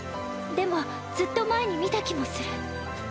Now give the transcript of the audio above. でもずっと前に見た気もする。